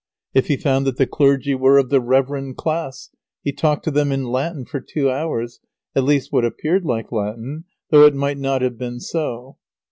If he found that the clergy were of the reverend class, he talked to them in Latin for two hours, at least what appeared like Latin, though it might not have been so.